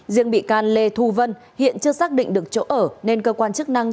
riêng bị can lê thu vân hiện chưa xác định được chỗ ở nên cơ quan chức năng